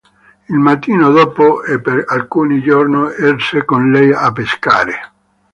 Il mattino dopo e per alcuni giorni esce con lei a pescare.